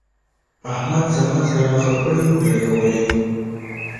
احمد زما سره خپړې ولګولې.